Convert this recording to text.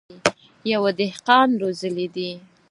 يوه دهقان روزلي دي.